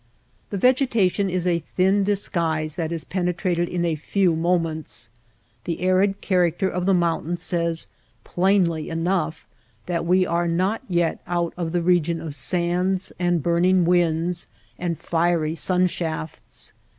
The vegetation is a thin disguise that is penetrated in a few moments. The arid character of the mountain says plainly enough that we are not yet out of the region of sands and burning winds and fiery sun shafts.